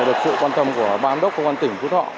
thì được sự quan tâm của ba án đốc công an tỉnh phú thỏ